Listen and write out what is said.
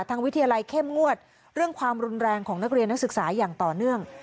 วิทยาลัยเข้มงวดเรื่องความรุนแรงของนักเรียนนักศึกษาอย่างต่อเนื่อง